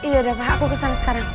yaudah pak aku kesana sekarang